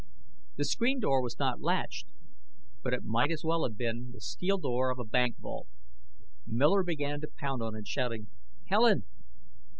The screen door was not latched, but it might as well have been the steel door of a bank vault. Miller began to pound on it, shouting: "Helen!